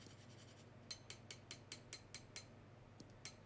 د پوهې راز قلم دی.